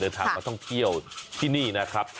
มาท่องเที่ยวที่นี่นะครับ